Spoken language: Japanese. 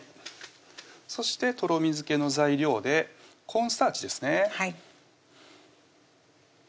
そしてとろみづけの材料でコーンスターチですね